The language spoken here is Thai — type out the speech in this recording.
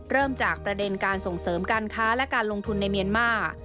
เริ่มจากประเด็นการส่งเสริมการค้าและการลงทุนในเมียนมาร์